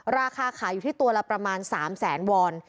ราคาขายอยู่ที่ตัวละประมาณ๓แสนวอน